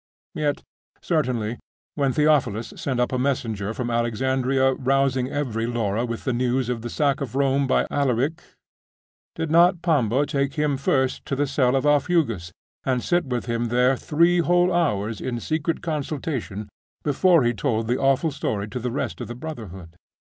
Yet, certainly, when Theophilus sent up a messenger from Alexandria, rousing every Laura with the news of the sack of Rome by Alaric, did not Pambo take him first to the cell of Aufugus, and sit with him there three whole hours in secret consultation, before he told the awful story to the rest of the brotherhood?